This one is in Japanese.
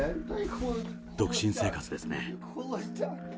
独身生活ですね。